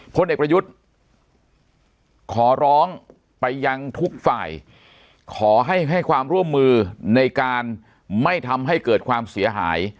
พลเอกประยุทธ์ขอร้องไปยังทุกฝ่ายขอให้ให้ความร่วมมือในการไม่ทำให้เกิดความเสียหาย